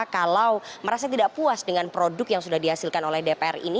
kalau merasa tidak puas dengan produk yang sudah dihasilkan oleh dpr ini